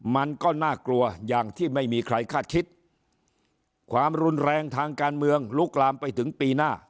มันก็น่ากลัวอย่างที่ไม่มีใครคาดคิดความรุนแรงทางการเมืองลุกลามไปถึงปีหน้า